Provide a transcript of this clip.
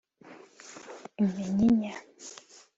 iminyinya